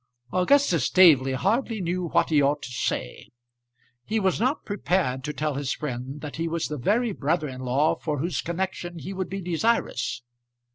Augustus Staveley hardly knew what he ought to say. He was not prepared to tell his friend that he was the very brother in law for whose connection he would be desirous.